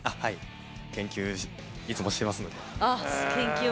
研究、いつもしてますので。